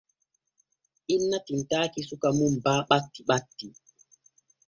Inna tinntaaki suka mum baa ɓatti ɓatti.